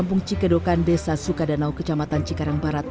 kampung cikedokan desa sukadanau kecamatan cikarang barat